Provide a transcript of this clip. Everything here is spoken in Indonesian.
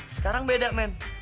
sekarang beda men